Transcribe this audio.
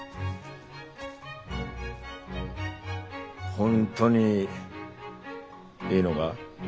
本当にいいのが？